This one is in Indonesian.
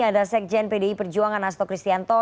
ada sekjen pdi perjuangan astro cristianto